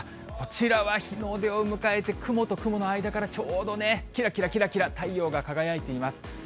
こちらは日の出を迎えて、雲と雲の間からちょうどね、きらきらきらきら、太陽が輝いています。